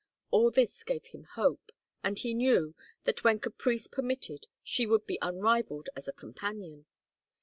All this gave him hope, and he knew, that when caprice permitted, she would be unrivalled as a companion.